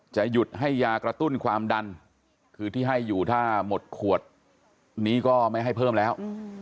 หยุดให้ยากระตุ้นความดันคือที่ให้อยู่ถ้าหมดขวดนี้ก็ไม่ให้เพิ่มแล้ว